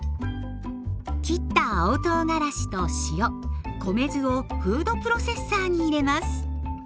切った青とうがらしと塩米酢をフードプロセッサーに入れます。